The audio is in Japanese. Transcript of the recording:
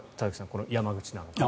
この山口なのかなと。